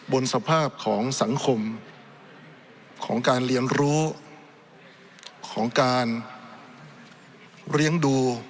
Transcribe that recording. บนสภาพของสังคมของการเรียนรู้ของการเลี้ยงดู